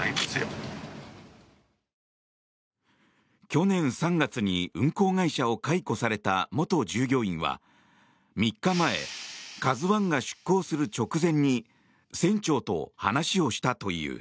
去年３月に運航会社を解雇された元従業員は３日前「ＫＡＺＵ１」が出航する直前に船長と話をしたという。